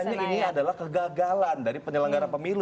makanya ini adalah kegagalan dari penyelenggara pemilu